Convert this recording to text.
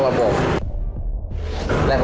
กู้นอกระบบ